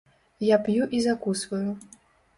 Я п'ю і закусваю.